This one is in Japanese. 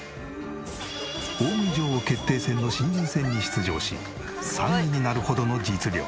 『大食い女王決定戦』の新人戦に出場し３位になるほどの実力。